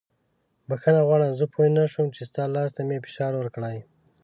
بښنه غواړم زه پوه نه شوم چې ستا لاس ته مې فشار ورکړی.